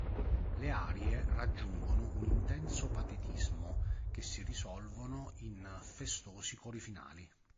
Le arie raggiungono un intenso patetismo, che si risolvono in festosi cori finali.